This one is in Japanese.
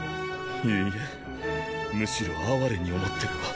いいえむしろ哀れに思ってるわ。